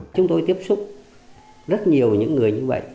chúng tôi tiếp xúc rất nhiều những người như vậy